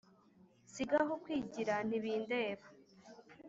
si gaho kwigira ntibindeba